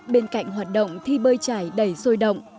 bên cạnh hoạt động thi bơi trải đầy sôi động